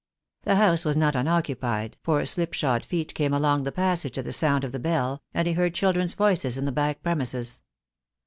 The house was not unoccupied, for slipshod feet came along the passage at the sound of the bell, and he heard children's voices in the back premises.